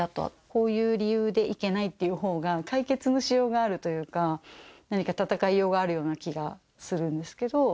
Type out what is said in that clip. こういう理由で行けないっていうほうが、解決のしようがあるというか、何か戦いようがあるような気がするんですけど。